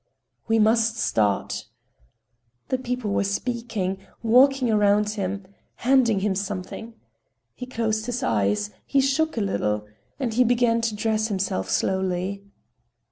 "We must start." The people were speaking, walking around him, handing him something. He closed his eyes, he shook a little,—and began to dress himself slowly.